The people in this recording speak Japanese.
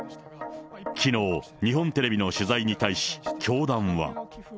きのう、日本テレビの取材に対し、教団は。